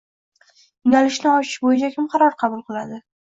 Yo‘nalishni ochish bo‘yicha kim qaror qabul qiladi?